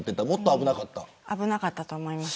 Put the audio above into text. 危なかったと思います。